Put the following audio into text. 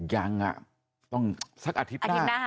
ยังต้องสักอาทิตย์หนึ่ง